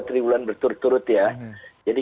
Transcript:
tribulan berturut turut ya jadi